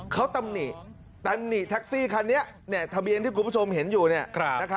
เขาตำหนิตำหนิแท็กซี่คันนี้ทะเบียนที่คุณผู้ชมเห็นอยู่